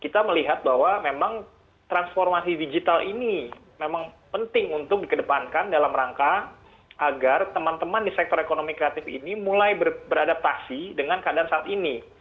kita melihat bahwa memang transformasi digital ini memang penting untuk dikedepankan dalam rangka agar teman teman di sektor ekonomi kreatif ini mulai beradaptasi dengan keadaan saat ini